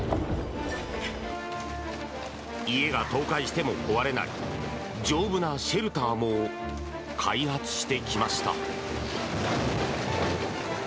家が倒壊しても壊れない丈夫なシェルターも開発してきました。